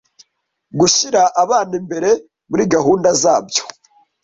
gushyira abana imbere muri gahunda zabyo”